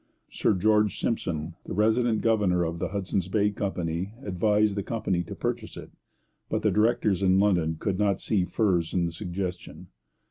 Sir George Simpson, the resident governor of the Hudson's Bay Company, advised the company to purchase it, but the directors in London could not see furs in the suggestion.